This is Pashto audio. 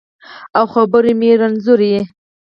او خبرې مې رنځورې